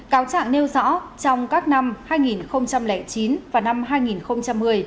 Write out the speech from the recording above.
cáo trạng nêu rõ trong các năm hai nghìn chín và năm hai nghìn một mươi